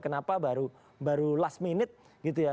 kenapa baru last minute gitu ya